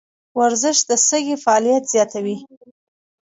ورزش د سږي فعالیت زیاتوي.